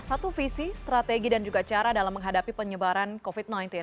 satu visi strategi dan juga cara dalam menghadapi penyebaran covid sembilan belas